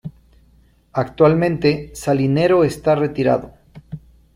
Actualmente, Salinero está retirado.